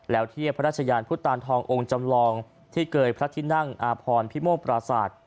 แล้วเทียบพระราชยานพุทธตานทององค์จำลองที่เกยพระที่นั่งอาพรพิโมกปราศาสตร์